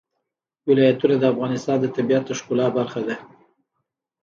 ولایتونه د افغانستان د طبیعت د ښکلا برخه ده.